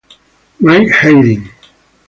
Mike Hayden.